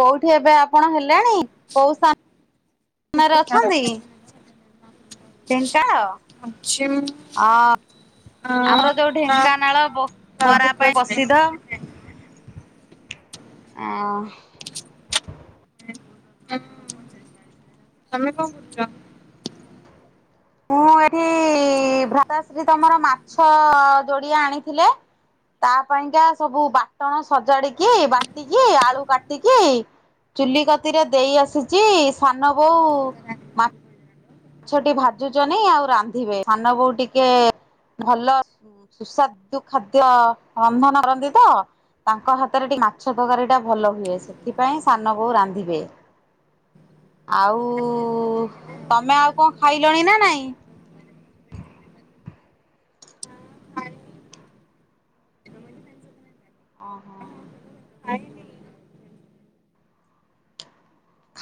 କୋଉଠି ଏବେ ଆପଣ ହେଲେଣି, କୋଉ ସ୍ତା ମା ରେ ଅଛନ୍ତି? ଢେଙ୍କାଳ ଅ ଆମର ଯୋଉ ଢେଙ୍କାନାଳ ବଃ ବରା ପାଇଁ ପସିଦ୍ଧ। ଅଁ ହ। ତମେ କଁ କରୁଚ଼? ମୁଁ ଏଇ ଭ୍ରାତାଶ୍ରୀ ତମର ମାଛ ଯୋଡ଼ିଏ ଆଣିଥିଲେ। ତା ପାଇଁକା ସବୁ ବାଟଣ ସଜାଡିକି, ବାଟିକି, ଆଳୁ କାଟିକି ଚୁଲି କତିରେ ଦେଇ ଆସିଚି, ସାନ ବୋଉ ଛଟି ଭାଜୁଚନି ଆଉ ରାନ୍ଧିବେ, ସାନ ବୋଉ ଟିକେ ଭଲ ସୁସ୍ୱାଦୁ ଖାଦ୍ୟ ରନ୍ଧନ କରନ୍ତି ତ। ତାଙ୍କ ହାତରେ ଟିକ୍ ମାଛ ତକାରୀ ଟା ଭଲ ହୁଏ ସେଥିପାଇଁ ସାନ ବୋଉ ରାନ୍ଧିବେ। ଆଉ ତମେ ଆଉ କଁ ଖାଇଲଣି ନା ନାଇଁ? ଅଁହଁ।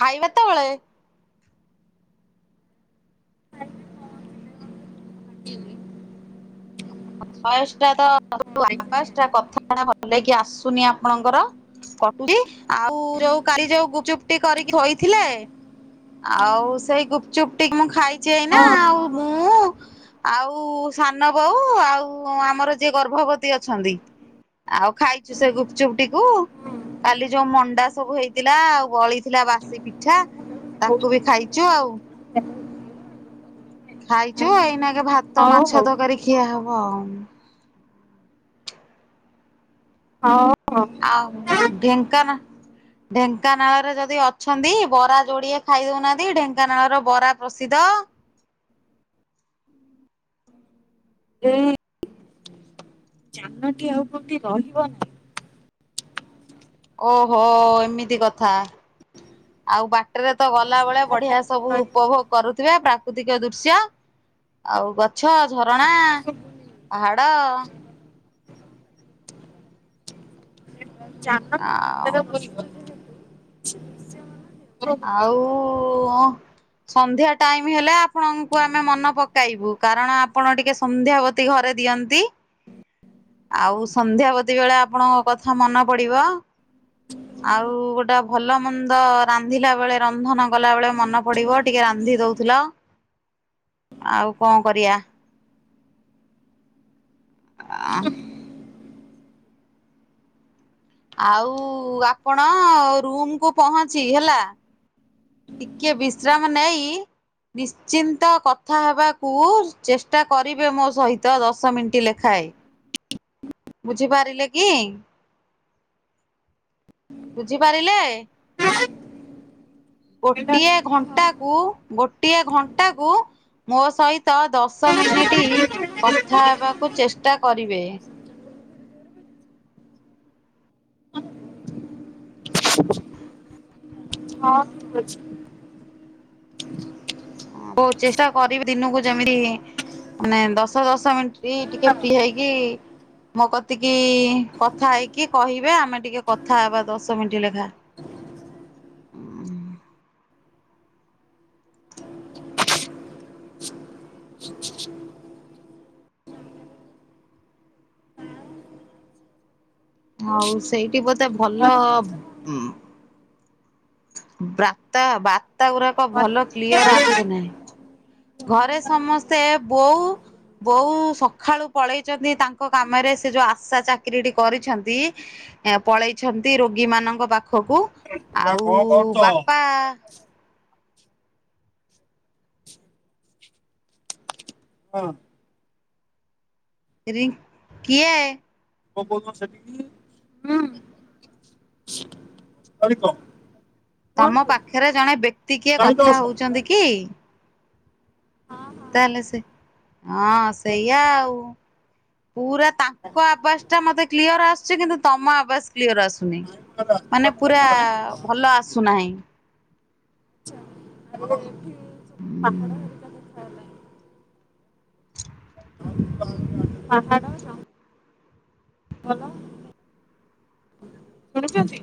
ଖାଇବା ତେବେଳେ? ଭୟସ୍ ଟା ତ [inaudible] ଆବାଜ୍ ଟା କଥା [inaudible] ଭଲ କି ଆସୁନି ଆପଣଙ୍କର। କଟୁ [unintelligible] ଆଉ ଯୋଉ କାଲି ଯୋଉ ଗୁପଚୁପଟି କରିକି ଥୋଇଥିଲେ ଆଉ ସେଇ ଗୁପ୍ ଚୁପ୍ ଟି ମୁଁ ଖାଇ ଚି ଏଇନା ଆଉ ମୁଁ ଆଉ ସାନ ବୋଉ, ଆ ଆଉ ଆମର ଯିଏ ଗର୍ଭବତୀ ଅଛନ୍ତି, ଆଉ ଖାଇଚୁ ସେ ଗୁପ୍ ଚୁପ୍ ଟିକୁ। କାଲି ଯୋଉ ମଣ୍ଡା ସବୁ ହେଇଥିଲା, ଆଉ ବଳିଥିଲା ବାସି ପି ଠା ତାକୁ ବି ଖାଇଚୁ ଆଉ। ଖାଇଚୁ ଏଇନାଗେ ଭାତ ମାଛ ତକାରୀ ଖିଆ ହବ ଆଉଁ। [unintelligible] ଆଉ ଢେଙ୍କାନା ଢେଙ୍କାନାଳରେ ଯଦି ଅଛନ୍ତି ବରା ଯୋଡିଏ ଖାଇଦଉ ନାଆନ୍ତି ଢେଙ୍କାନାଳ ର ବରା ପ୍ରସିଦ। ଏଇ ଯାନଟି ଆଉ କୋଉଟି ରହିବ ନା [unintelligible] ଓହୋ ଏମିତି କଥା। ଆଉ ବାଟରେ ତ ଗଲାବେଳେ ବଢିଆ ସବୁ ଉପଭୋଗ୍ କରୁଥିବେ ପ୍ରାକୃତିକ ଦୃଶ୍ୟ ଆଉ ଗଛ, ଝରଣା। ପାହାଡ଼। ଚାନ [inaudible] ଆଉ ଆଉ ଅଁ? ସନ୍ଧ୍ୟା ଟାଇମ୍ ହେଲେ ଆପଣଙ୍କୁ ଆମେ ମନ ପକାଇବୁ କାରଣ ଆପଣ ଟିକେ ସନ୍ଧ୍ୟା ବ ତୀ ଘରେ ଦିଅନ୍ତି। ହୁଁ ଆଉ ସନ୍ଧ୍ୟାବତୀ ବେଳେ ଆପଣଙ୍କ କଥା ମନ ପଡିବ। ଆଉ ଗୋଟେ ଭଲ ମନ୍ଦ ରା ନ୍ଧିଲା ବେଳେ ରନ୍ଧନ ଗଲା ବେଳେ ମନ ପଡିବ ଟିକେ ରାନ୍ଧି ଦଉଥୁଲ। ଆଉ କଁ କରିଆ? ଆ [unintelligible] ଆଉ ଆପଣ ରୁମ୍ କୁୁ ପହଞ୍ଚି ହେଲା ଟିକେ ବିଶ୍ରାମ ନେଇ ନିଶ୍ଚିନ୍ତ କଥା ହବାକୁ ଚେଷ୍ଟା କରିବେ ମୋ ସହିତ ଦଶ ମିଣ୍ଟି ଲେଖାଏ। [inaudible] ବୁଝିପାରିଲେ କି? ବୁଝିପାରିଲେ? ଗୋଟିଏ ଘଣ୍ଟା କୁ ଗୋଟିଏ ଘଣ୍ଟା କୁ ମୋ ସହିତ ଦଶ୍ ଶ ମିନିଟି କଥା ଏବାକୁ ଚେଷ୍ଟା କରିବେ। ହଁ ଠିକ୍ ଅଛି। ବହୁ ଚେଷ୍ଟା କରିବି ଦିନକୁ ଯେମିତି ମାନେ ଦଶ ଦଶ ମିନିଟ ଟିକେ ଫ୍ରି ହେଇକି ମୋ କତିକି କଥା ହେଇକି କହିବେ ଆମେ ଟିକେ କଥା ହେବା ଦଶ ମିନିଟ୍ ଲେଖା ହ ହୁଁ ହଉ ସେଇଠି ବୋଧେ ଭଲ ବାର୍ତ୍ତା ବାର୍ତ୍ତା ଗୁଡାକ ଭଲ କ୍ଲିୟର ଆସୁନାହିଁ ଘରେ ସମସ୍ତେ ବୋଉ ବୋଉ ସକାଳୁ ପଳେଇଛନ୍ତି ତାଙ୍କ କାମରେ ସେ ଯୋଉ ଆଶା ଚାକିରିଟି କରିଛନ୍ତି ଏ ପଳେଇଛନ୍ତି ରୋଗୀ ମାନଙ୍କ ପାଖକୁ ଆଉ ବାପା ହଁ ରି କିଏ ଏ କ ସେଠିକ ଆ କ ତମ ପାଖରେ ଜଣେ ବ୍ୟକ୍ତି କିଏ କଥା ହଉଛନ୍ତି କି ହଁ ହଁ [inaudible] ତାହେଲେ ସେ ହଁ ସେଇଆ ଆଉ ପୁରା ତାଙ୍କ ଆବାଜ ଟା ମତେ କ୍ଲିୟର ଆସୁଚ କିନ୍ତୁ ତମ ଆବାସ କ୍ଲିୟର ଆସୁନି ମାନେ ପୁରା ଭଲ ଆସୁନାହିଁ ସ ପା [inaudible] ହୁଁ [inaudible] ହ ହଲଲ [inaudible] ଶଣ ଭଜି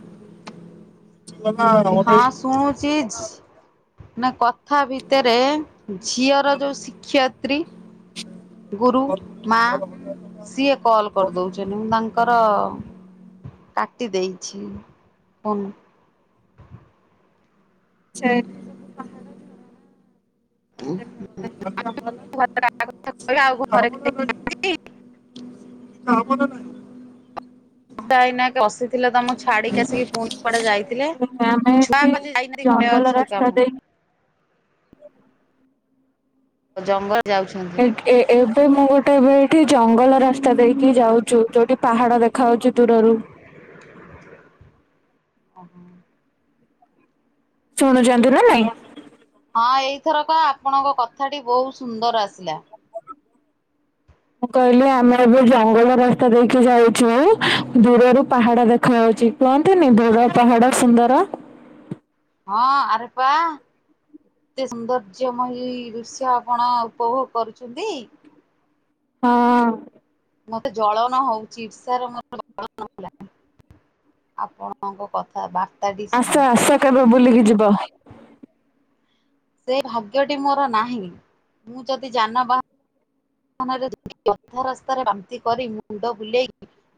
[inaudible] ହଁ ଶୁଣୁଚି [inaudible] ନା କଥା ଭିତରେ ଝିଅର ଯୋଉ ଶିକ୍ଷୟତ୍ରୀ ଗୁରୁ ମା ସିଏ କଲ୍ କରିଦଉଛନ୍ତି। ମୁଁ ତାଙ୍କର କାଟି ଦେଇଛି ଫୋନ୍। ସେଛ [inaudible] ହ [inaudible] ଆଛ ଆମ [inaudible] ଘ କଥା କହ ଆଉ ଘରେ [inaudible] ହ ହବ ନା ନାଇଁ [inaudible] ଟା ଏଇନା ବସିଥିଲେ ତମକୁ ଛାଡିକି ଆସିକି ପୁଣି କୁଡେ ଯାଇଥିଲେ। ଛୁଆ ପାଛେ ଯାଇନାହାନ୍ତି ଘରେ ଅଛଇ କାମ ଆଉ ଜଙ୍ଗଲ ଯାଉଚୁ। ଏକେ ଏ ଏବେ ମୁଁ ଗୋଟେ ଏବେ ଏଇଠି ଜଙ୍ଗଲ ରାସ୍ତା ଦେଇକି ଯାଉଛିୁ ଯୋଉଠି ପାହାଡ ଦେଖାଯାଉଛି ଦୂରରୁ। ଅଁହୋ। ଶୁଣୁଛନ୍ତିୁ ନା ନାଇଁ? ହଁ ଏଇଥରକ ଆପଣଙ୍କ କଥାଟି ବହୁତ ସୁନ୍ଦର ଆସିଲା। ମୁଁ କହିଲି ଆମେ ଏବେ ଜଙ୍ଗଲ ରାସ୍ତା ଦେଇକି ଯାଉଛୁ। ମୁଁ ଦୂରରୁ ପାହାଡ ଦେଖାଯାଉଛି। କୁହତିନି ଦୁର ପାହାଡ଼ ସୁନ୍ଦର? ହଁ ଆରେ ପା ଏତେ ସୌନ୍ଦର୍ଯ୍ୟମୟୀ ଦୃଶ୍ୟ ଆପଣ ଉପଭୋଗ କରୁଛନ୍ତି। ହଁ। ମୋତେ ଜଳନ ହଉଛି ଇର୍ଷାର ମୋର ଜଳଲାଣି। ଆପଣଙ୍କ କଥା ବାର୍ତ୍ତା ଆସ ଆସ କେବେ ବୁଲିକି ଯିବ। ସେ ଭାଗ୍ୟଟି ମୋର ନାହିଁ ମୁଁ ଯଦି ଯାନ ବାହ ଆମେ ଯଦିଅଧା ରାସ୍ତାରେ ବାନ୍ତି କରି ମୁଣ୍ଡ ବୁଲେଇ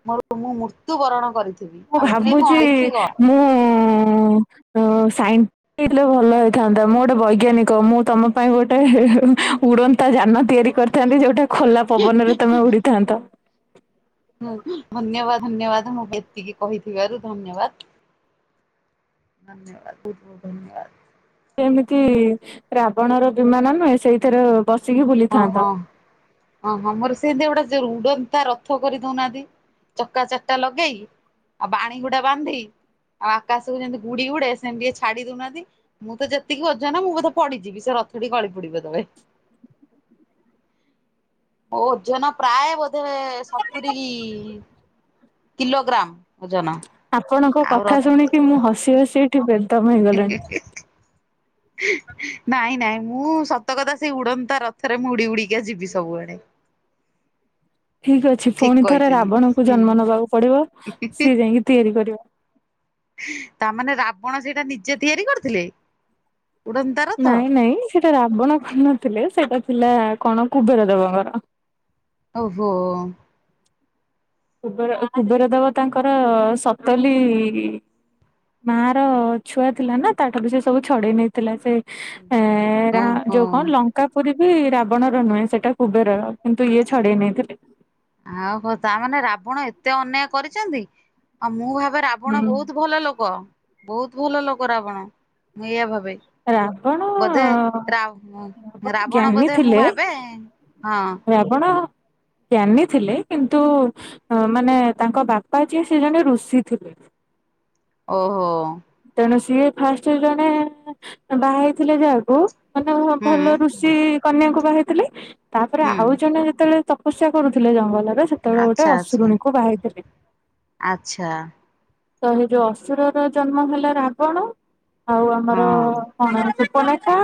ମୋର ମୁଁ ମୃତ୍ୟୁ ବରଣ କରିଛି। ମୁଁ ଭାବୁଛି ମୁଁ ସାଇଁ ଇଥିଲେ ଭଲ ହେଇଥାନ୍ତା ମୁଁ ଗୋଟେ ବୈଜ୍ଞାନିକ ମୁଁ ତମ ପାଇଁ ଗୋଟେ ଉଡ଼ନ୍ତା ଯାନ ତିଆରି କରିଥାନ୍ତି ଯୋଉଟା ଖୋଲା ପବନରେ ତମେ ଉଡିିଥାନ୍ତ। ହୁଁ ଧନ୍ୟବାଦ ଧନ୍ୟବାଦ ମୁଁ ଏତିକି କହିଥିବାରୁ ଧନ୍ୟବାଦ। ଧନ୍ୟବାଦ ବହୁତ ବହୁତ ଧନ୍ୟବାଦ। ଏମିତି ରାବଣର ବିମାନ ନୁହେଁ ସେଇଥିର ବସିକି ବୁଲା ହଁ ହଁ। ଓହୋ ମୋର ସେନ୍ତି ଗୋଟେ ରୁଡନ୍ତା ରଥ କରି ଦଉନାହାନ୍ତି ଚକା ଚାରିଟା ଲଗେଇକି ଆଉ ବାଣୀ ଗୁଡା ବାନ୍ଧି ଆଉ ଆକାଶକୁ ଯେମିତି ଗୁଡି ଗୁଡେ ସେମିତି ଟିକେ ଛାଡି ଦଉନାହାନ୍ତି। ମୁଁ ତ ଯେତିକି ଓଜନ ମୁଁ ବଧେ ପଡିଯିବି ସେ ରଥଟି କଳି ପଡିବ ତଳେ। ଓଜନ ପ୍ରାୟ ବୋଧେ ସତୁରୀ କି କିଲୋଗ୍ରାମ। ଆପଣଙ୍କ ଆଉ ର କଥା ଶୁଣିକି ମୁଁ ହସି ହସି ଏଠି ବେଦମ୍ ହେଇଗଲିଣି। ନାଇଁ ନାଇଁ ମୁଁ ସତ କଥା ସେଇ ଉଡନ୍ତା ରଥରେ ମୁଁ ଉଡି ଉଡିକା ଯିବି ସବୁଆଡେ। ଠିକ୍ ଅଛି ଠିକ ପୁଣି ଥରେ କହିଛନ୍ତି ରାବଣଙ୍କୁ ହୁଁ। ଜନ୍ମ ନବାକୁ ପଡିବ ସିଏ ଯାଇଁକି ତିଆରି କରିବ। ତାମାନେ ରାବଣ ସେଇଟା ନିଜେ ତିଆରି କରିଥିଲେ? ଉଡନ୍ତା ରଥ ନାଇଁ ନାଇଁ ସେଟା ରାବଣ କରିନଥିଲେ ସେଇଟା ଥିଲା କଣ କୁବେର ଦେବଙ୍କର। ଓହୋ। କୁବେର କୁବେର ଦେବ ତାଙ୍କର ସତଲି ମା ର ଛୁଆ ଥିଲା ନା ତା ଠାରୁ ସେ ସବୁ ଛଡେଇ ନେଇଥିଲା ସେ ଏ ରା ଓହୋ ଯୋଉ କଣ ଲଙ୍କ କାପୁରୀ ବି ରାବଣର ନୁହେଁ ସେଇଟା କୁବେରର କିନ୍ତୁ ଇଏ ଛଡେଇ ନେଇଥିଲେ। ଆଉ ହୋ ତାମାନେ ରାବଣ ଏତେ ଅନ୍ୟାୟ କରିଛନ୍ତି ଆଉ ମୁଁ ଭାବେ ରା ହୁଁ ବଣ ବହୁତ ଭଲ ଲୋକ ବହୁତ ଭଲ ଲୋକ ରାବଣ ମୁଁ ଏଇଆ ଭାବେ। ରାବଣ ବୋଧେ ରା ରାବଣ ଜ୍ଞାନୀ ବୋଧେ ମୁଁ ଥିଲେ ଭାବେ ହଁ। ରାବଣ। ଜ୍ଞାନୀ ଥିଲେ କିନ୍ତୁ ମାନେ ତାଙ୍କ ବାପା ଯିଏ ସେ ଜଣେ ଋଷି ଥିଲେ। ଓହୋ। ତେଣୁ ସିଏ ଫାଷ୍ଟ ଜଣେ ବାହା ହେଇଥିଲେ ଯାହାକୁ ମାନେ ହୁଁ ଭଲ ଋଷି କନ୍ୟାକୁ ବାହାହେଇଥିଲେ ତାପରେ ହୁଁ ଆଉ ଜଣେ ଯେତେବେଳେ ତପସ୍ୟା କରୁଥିଲେ ଜଙ୍ଗଲରେ। ସେତେବେଳେ ଗୋଟେ ଆଚ୍ଛା ଆଚ୍ଛା ଅଶୁରୁଣୀକୁ ବାହାହେଇଥିଲେ। ଆଚ୍ଛା ତ ଏଇ ଯୋଉ ଅସୁର ର ଜନ୍ମ ହେଲା ରାବଣ ଆଉ ଆମର ହଁ କଣ ସୁପନଖା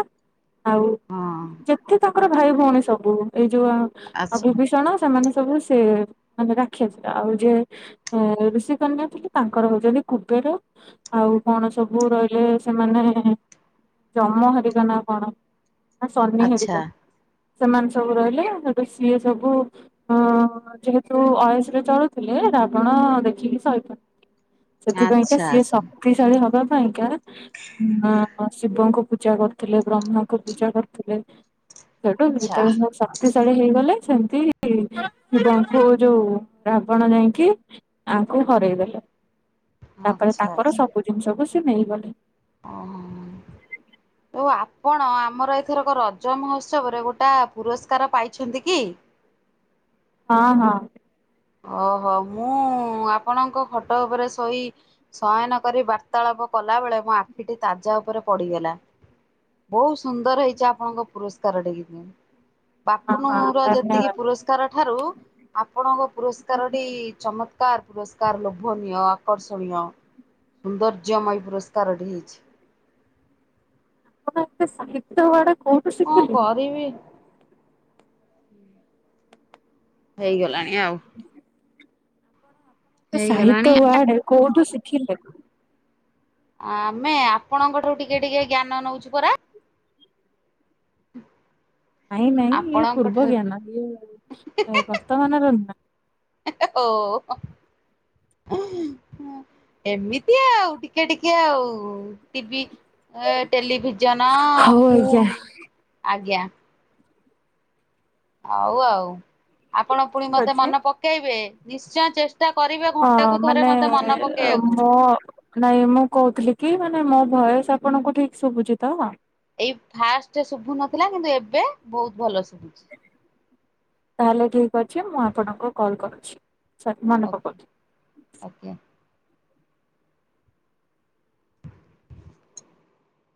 ଆଉ ହଁ ଯେତେ ତମ ତାଙ୍କର ଭାଇ ଭଉଣୀ ସବୁ ଏଇ ଯୋଉ ଆଚ୍ଛା ବିଭୀଷଣ ସେମାନେ ସବୁ ସେ ମାନେ ରାକ୍ଷସ ଟା ଆଉ ଯେ ଋଷି କନ୍ୟା ଥିଲେ ତାଙ୍କର ହଉଛନ୍ତି କୁବେର ଆଉ କଣ ସବୁ ରହିଲେ ସେମାନେ ଜମା ହରିକା ନା କଣ? ସନି ଆଚ୍ଛା ହେରିକା ସେମାନେ ସବୁ ରହିଲେ ସେଠୁ ସିଏ ସବୁ ହ ଯେହେତୁ ଅୟଶରେ ଚଳୁଥିଲେ ରାବଣ ଦେଖିକି ସହିପ ସେଥିପାଇଁକା ଆଚ୍ଛା ସିଏ ଆଚ୍ଛା ଶକ୍ତିଶାଳୀ ହବା ପାଇଁକା ହଁ ଶିବଙ୍କୁ ପୂଜା କରୁଥିଲେ ବ୍ରହ୍ମାଙ୍କୁ ପୂଜା କରୁଥିଲେ। ସେଟୁ ଆଚ୍ଛା [inaudible] ଶକ୍ତିଶାଳୀ ହେଇଗଲେ ସେମିତି ଶିବଙ୍କୁ ଯୋଉ ରାବଣ ଯାଇଁକି ୟାଙ୍କୁ ହରେଇଦେଲେ ତାପରେ ଆଚ୍ଛା ତାଙ୍କର ଆଚ୍ଛା ସବୁ ଜିନିଷକୁ ସେ ନେଇଗଲେ। ଓହୋ ହଁ। ଆଉ ଆପଣ ଆମର ଏଥରକ ରଜ ମହୋତ୍ସବରେ ଗୋଟେ ପୁରସ୍କାର ପାଇଛନ୍ତି କି? ହଁ ହଁ। ଓହୋ ମୁଁ ଆପଣଙ୍କ ଖଟ ଉପରେ ଶୋଇ ଶୟନ କରି ବାର୍ତାଳାପ କଲା ବେଳେ ମୋ ଆଖିଟି ତାଜା ଉପରେ ପଡିଗଲା। ବହୁତ ସୁନ୍ଦର ହେଇଛି ଆପଣଙ୍କ ପୁରସ୍କାର। [inaudible] ହଁ ବାପୁନ ହଁ ର ଯେତିକି ଧନ୍ୟବାଦ ପୁରସ୍କାର ଠାରୁ ଆପଣଙ୍କ ପୁରସ୍କାରଟି ଚମତ୍କାର ପୁରସ୍କାର ଲୋଭନୀୟ ଆକର୍ଷଣୀୟ। ସୌନ୍ଦର୍ଯ୍ୟମୟ ପୁରସ୍କାରଟି ହୋଇଛି। ଆପଣ ଏ ସାହିତ୍ୟ ବାଡା କଉଠି? କଁ କରିବି? ହେଇଗଲାଣି ଆଉ ସାହିତ୍ୟ ହେଇଗଲାଣି। ୱାର୍ଡ କୋଉଠୁ ଶିଖିଲେ? ଆମେ ଆପଣଙ୍କ ଠାରୁ ଟିକେ ଟିକେ ଜ୍ଞାନ ନଉଛୁ ପରା। ନାଇଁ ନାଇଁ ଇଏ ଆପଣଙ୍କଠାରୁ ପୂର୍ବଜ୍ଞାନ ଇଏ ବର୍ତମାନର ନୁଁ। ହୋ ଏମିତି ଆଉ ଟିକେ ଟିକେ ଆଉ ଟିଭି। ଏ ଟେଲିଭିଜନ ହଉ ଫୁ ଆଜ୍ଞା ଆଜ୍ଞା। ହଉ ଆଉ ଆପଣ ପୁଣି ଠିକ ମତେ ଅଛି ମନ ପକେଇବେ ନିଶ୍ଚୟ ଚେଷ୍ଟ ହଁ ମାନେ ପକେଇବାକୁ ମୋ ନାଇଁ ମୁଁ କହୁଥିଲି କି ମାନେ ମୋ ଭଏସ ଆପଣଙ୍କୁ ଠିକ ଶୁଭୁଛି ତ। ଏଇ ଫାଷ୍ଟ ଶୁଭୁନଥିଲା କିନ୍ତୁ ଏବେ ବହୁତ ଭଲ ଶୁଭୁଛି। ତାହେଲେ ଠିକ ଅଛି ମୁଁ ଆପଣଙ୍କୁ କଲ୍ କରୁଛି ସରି ମନେ ପକଉଛି। ଆଜ୍ଞା